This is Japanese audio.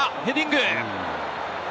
ヘディング。